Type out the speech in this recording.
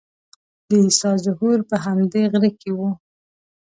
د عیسی ظهور به په همدې غره کې وي.